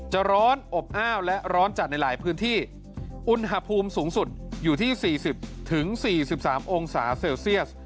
ร้อนอบอ้าวและร้อนจัดในหลายพื้นที่อุณหภูมิสูงสุดอยู่ที่๔๐๔๓องศาเซลเซียส